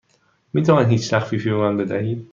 می توانید هیچ تخفیفی به من بدهید؟